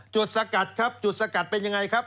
จุดสกัดครับจุดสกัดเป็นอย่างไรครับ